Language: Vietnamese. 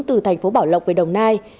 từ thành phố bảo lộc về đồng nai